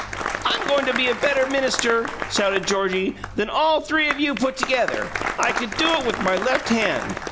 "I'm going to be a better minister," shouted Georgie, "than all three of you put together. I could do it with my left hand!"